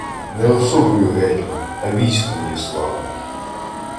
Не особою гетьман, а військом є славний